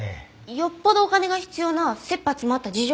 よっぽどお金が必要な切羽詰まった事情があったとか？